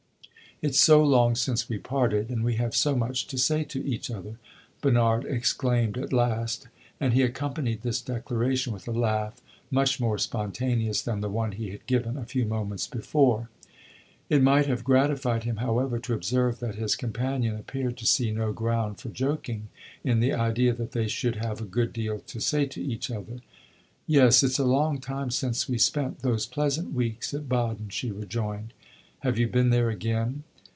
"It 's so long since we parted, and we have so much to say to each other!" Bernard exclaimed at last, and he accompanied this declaration with a laugh much more spontaneous than the one he had given a few moments before. It might have gratified him, however, to observe that his companion appeared to see no ground for joking in the idea that they should have a good deal to say to each other. "Yes, it 's a long time since we spent those pleasant weeks at Baden," she rejoined. "Have you been there again?"